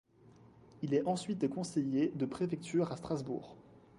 Il est ensuite conseiller de préfecture à Strasbourg.